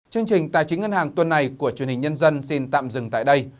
chương trình tài chính ngân hàng tuần này của truyền hình nhân dân xin tạm dừng tại đây